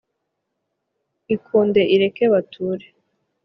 ikunde ireke bature.